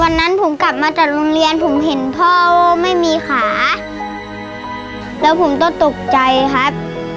วันนั้นผมกลับมาจากโรงเรียนผมเห็นพ่อไม่มีขาแล้วผมก็ตกใจครับ